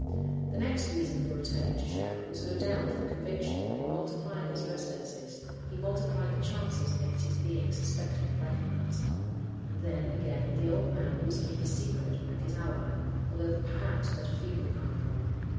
The next reason for returning to Jacques was, no doubt, the conviction that, in multiplying his residences, he multiplied the chances against his being suspected and recognized. And then, again, the old man was in his secret, and his ally, although perhaps but a feeble kind of one.